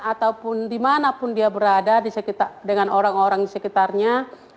ataupun dimanapun dia berada dengan orang orang di sekitarnya